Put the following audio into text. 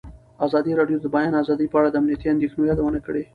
ازادي راډیو د د بیان آزادي په اړه د امنیتي اندېښنو یادونه کړې.